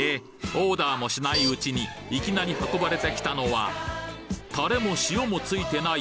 オーダーもしないうちにいきなり運ばれてきたのはタレも塩もついてない